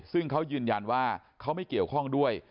ซึ่งเขายืนยันว่าเขาไม่เกี่ยวข้องด้วย